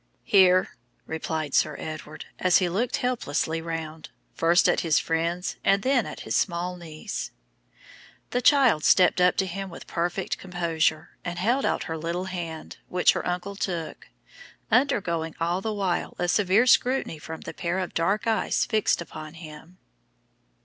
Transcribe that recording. "Here," replied Sir Edward, as he looked helplessly round, first at his friends and then at his small niece. The child stepped up to him with perfect composure, and held out her little hand, which her uncle took, undergoing all the while a severe scrutiny from the pair of dark eyes fixed upon him.